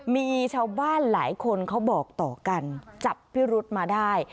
มีชาวบ้านหลายคนเขาบอกต่อกันจับพิรุษมาได้